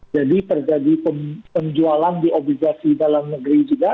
jadi terjadi penjualan di obligasi dalam negeri juga